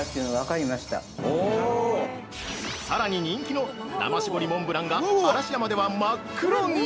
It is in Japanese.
◆さらに人気の生しぼりモンブランが嵐山では真っ黒に！？